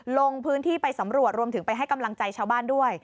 ลงพื้นที่ไปสำรวจรวมถึงไปให้กำลังใจชาวบ้านด้วย